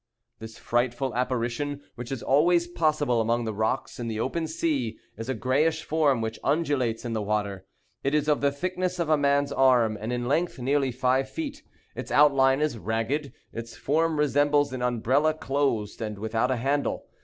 This frightful apparition, which is always possible among the rocks in the open sea, is a grayish form, which undulates in the water. It is of the thickness of a man's arm, and in length nearly five feet. Its outline is ragged. Its form resembles an umbrella closed, and without a handle.